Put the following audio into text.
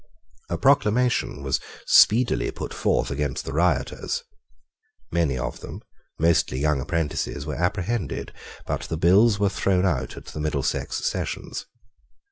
A proclamation was speedily put forth against the rioters. Many of them, mostly young apprentices, were apprehended; but the bills were thrown out at the Middlesex sessions.